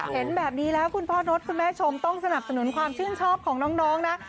เห็นแบบนี้แล้วคุณพ่อนดคุณแม่ชมต้องสนับสนุนความชื่นชอบของน้องนะ